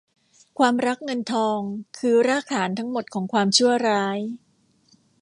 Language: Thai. ความรักเงินทองคือรากฐานทั้งหมดของความชั่วร้าย